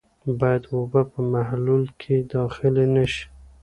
باید اوبه په محلول کې داخلې نه شي.